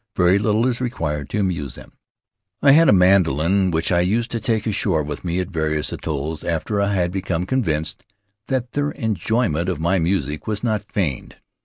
Very little is required to amuse them. I had a mandolin which I used to take ashore with me at various atolls, after I had become convinced that their enjoyment of my music was not feigned.